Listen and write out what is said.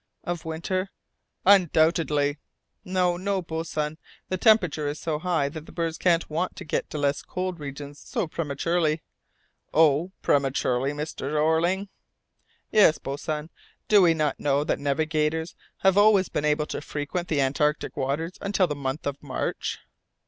"Of winter?" "Undoubtedly." "No, no, boatswain; the temperature is so high that the birds can't want to get to less cold regions so prematurely." "Oh! prematurely, Mr. Jeorling." "Yes, boatswain; do we not know that navigators have always been able to frequent the Antarctic waters until the month of March?"